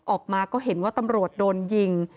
ออกมาก็เห็นว่าตำรวจโดนยิง